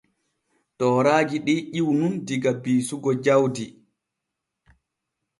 Tooraaji ɗi ƴiwu nun diga biisugo jawdi.